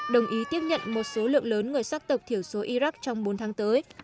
đồng ý tiếp nhận một số lượng lớn người sắc tộc thiểu số iraq trong bốn tháng tới